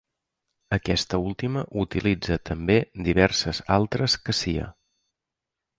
Aquesta última utilitza també diverses altres Cassia.